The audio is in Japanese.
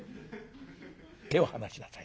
手を離しなさい。